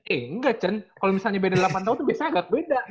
eh enggak cen kalau misalnya beda delapan tahun tuh biasanya agak beda